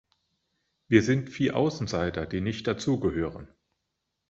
Wir sind vier Außenseiter, die nicht dazugehören.